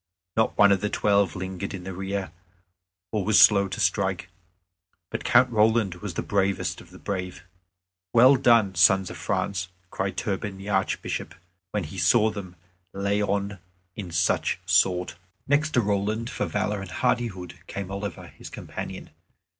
Not one of the Twelve lingered in the rear, or was slow to strike, but Count Roland was the bravest of the brave. "Well done, sons of France!" cried Turpin the Archbishop, when he saw them lay on in such sort. Next to Roland for valor and hardihood came Oliver, his companion.